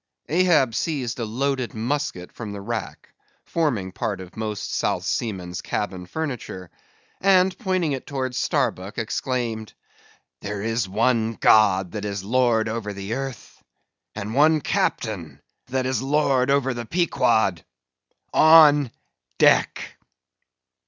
Ahab seized a loaded musket from the rack (forming part of most South Sea men's cabin furniture), and pointing it towards Starbuck, exclaimed: "There is one God that is Lord over the earth, and one Captain that is lord over the Pequod.—On deck!"